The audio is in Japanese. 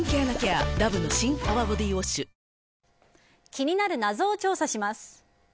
気になる謎を調査します。